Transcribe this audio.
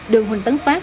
đường huỳnh tấn phát